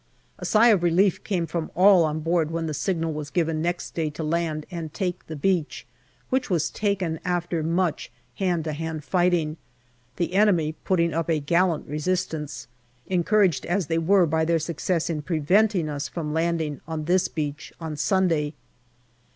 A sigh of relief came from all on board when the signal was given next day to land and take the beach, which was taken after much hand to hand fighting, the enemy putting up a gallant resistance, encouraged as they were by their success in preventing us from landing on this beach on Sunday.